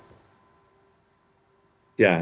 ya jadi pada saat ini ya sudah ada